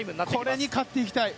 これに勝っていきたい。